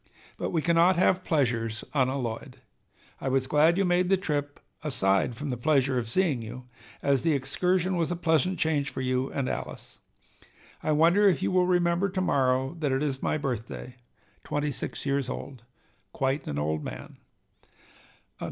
But we cannot have pleasures unalloyed. I was glad you made the trip, aside from the pleasure of seeing you, as the excursion was a pleasant change for you and Alice. "I wonder if you will remember to morrow that it is my birthday, twenty six years old. Quite an old man!"